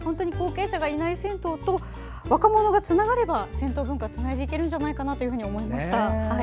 後継者がいない銭湯と若者がつながれば銭湯文化はつないでいけるんじゃないかなと思いました。